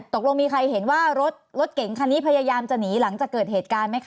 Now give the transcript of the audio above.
ตกลงมีใครเห็นว่ารถรถเก๋งคันนี้พยายามจะหนีหลังจากเกิดเหตุการณ์ไหมคะ